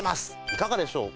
いかがでしょう？